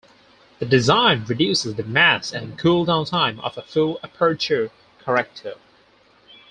The design reduces the mass and "cool-down time" of a full aperture corrector.